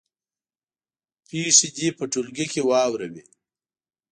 پېښې دې په ټولګي کې واوروي.